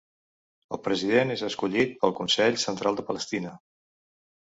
El president és escollit pel Consell Central de Palestina.